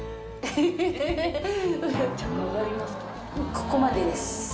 ここまでです。